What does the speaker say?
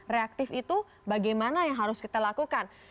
reaktif itu bagaimana yang harus kita lakukan